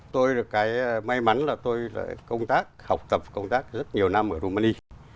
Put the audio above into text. tôi được cái may mắn là tôi là công tác học tập công tác rất nhiều năm ở jumani